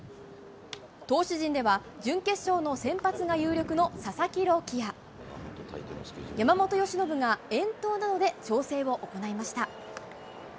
投手陣では、準決勝の先発が有力の佐々木朗希や、山本由伸が遠投などで調整を行いました。